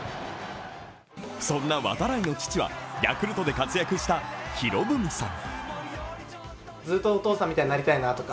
そんな渡会の父はヤクルトで活躍した博文さん。